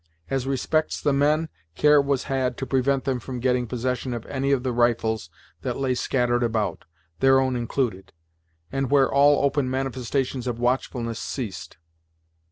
As respects the men, care was had to prevent them from getting possession of any of the rifles that lay scattered about, their own included; and there all open manifestations of watchfulness ceased.